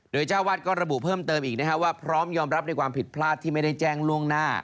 โดยเจ้าวัดก็ระบุเพิ่มเติมอีกนะครับว่าพร้อมยอมรับในความผิดพลาดที่ไม่ได้แจ้งล่วงหน้า